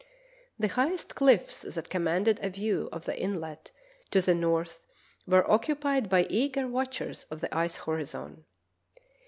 The highest cliffs that commanded a view of the inlet to the north were occupied by eager watchers of the ice horizon.